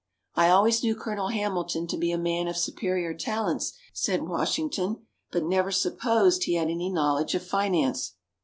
"I always knew Colonel Hamilton to be a man of superior talents," said Washington, "but never supposed he had any knowledge of finance."